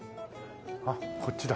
あっこっちだ。